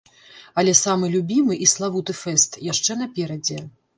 Але самы любімы і славуты фэст яшчэ наперадзе.